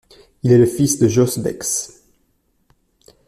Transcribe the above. Il est le fils de Jos Bex.